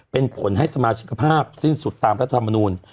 เป็นผลให้สมาชิกภาพสิ้นสุดตามรัฐมนูล